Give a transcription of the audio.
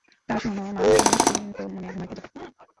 তা, শোনো মা, তুমি নিশ্চিন্তমনে ঘুমাইতে যাও।